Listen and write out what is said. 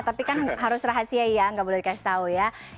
tapi kan harus rahasia ya nggak boleh dikasih tahu ya